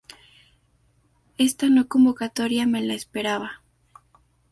Esta no convocatoria me la esperaba.